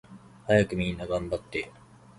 はやくみんながんばって